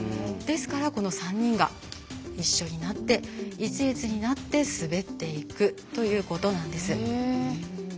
ですから、３人が一緒になって、一列になって滑っていくということなんです。